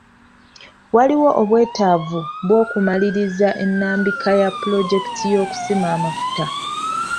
Waliwo obwetaavu bw'okumaliriza ennambika ya pulojekiti y'okusima amafuta.